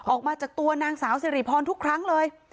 ออกมาจากตัวนางสาวสิริพรทุกครั้งเลย